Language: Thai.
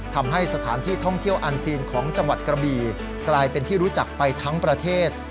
ทำให้สถานที่ท่องเที่ยวอันซีนของจังหวัดกระบี่กลายเป็นที่รู้จักไปทั้งประเทศ